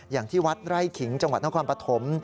อย่างที่วัดไร่ขิงจังหวัดนครปฐม